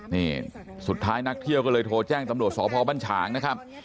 นี่สุดท้ายนักเที่ยวก็เลยโทรแจ้งตำรวจสพบัญชางนะครับ